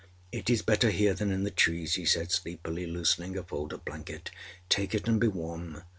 âIt is better here than in the trees,â he said sleepily, loosening a fold of blanket; âtake it and be warm.